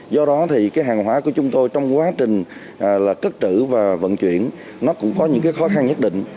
do đó thì hàng hóa của chúng tôi trong quá trình cất trữ và vận chuyển cũng có những khó khăn nhất định